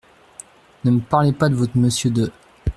Ne me parlez pas de votre Monsieur de ***.